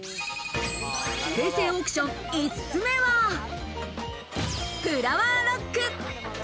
平成オークション、５つ目は、フラワーロック。